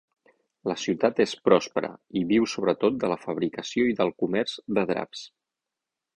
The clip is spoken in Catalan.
La ciutat és pròspera, i viu sobretot de la fabricació i del comerç de draps.